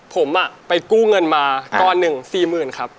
ผมไปกู้เงินมาก้อนหนึ่ง๔๐๐๐ครับ